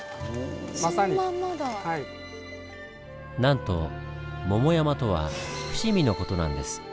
なんと「桃山」とは伏見の事なんです。